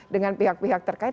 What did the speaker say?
dengan pihak pihak terkait